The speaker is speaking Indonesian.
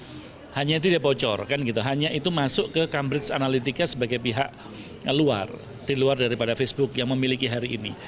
dan hanya itu dia bocor hanya itu masuk ke cambridge analytica sebagai pihak luar di luar daripada facebook yang memiliki hari ini